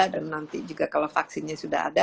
dan nanti juga kalau vaksinnya sudah ada